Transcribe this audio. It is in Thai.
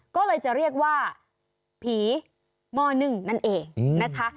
ก็เลยจะเรียกว่าผีหม้อนึ่งนั่นเองนะคะ